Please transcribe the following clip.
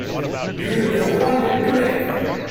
You will be wanted today.